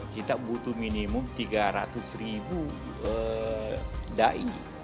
kita butuh minimum tiga ratus ribu da'i